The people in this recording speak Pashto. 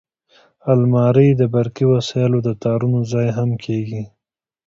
الماري د برقي وسایلو د تارونو ځای هم کېږي